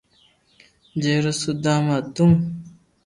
جي رو سودھا ما ھتو